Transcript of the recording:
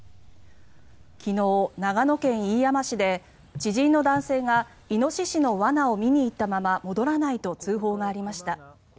昨日、長野県飯山市で知人の男性がイノシシの罠を見に行ったまま戻らないと通報がありました。